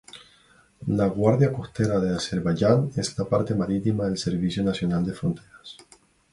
La Guardia Costera de Azerbaiyán es la parte marítima del Servicio Nacional de Fronteras.